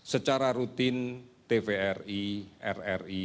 secara rutin tvri rri